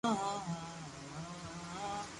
ايم لاگي ڪي تو مينک سھي ڪوئي ني